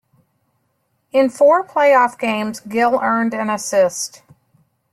In four playoff games, Gill earned an assist.